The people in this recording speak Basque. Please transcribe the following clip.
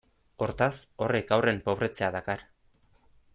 Hortaz, horrek haurren pobretzea dakar.